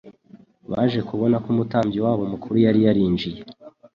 baje kubona ko Umutambyi wabo Mukuru yari yarinjiye